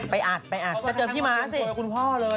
ไปอาจไปอาจแต่เจอพี่ม้าสิ